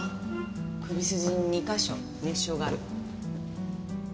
首筋に２か所熱傷がある。